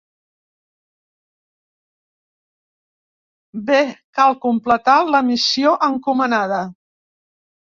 Bé cal completar la missió encomanada.